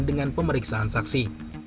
dengan pemeriksaan saksi